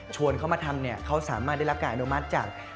ชวนเขามาทำเขาสามารถได้รับการอนุมัติจาก